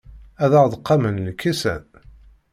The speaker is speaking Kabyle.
Ad aɣ-d-qamen lkisan?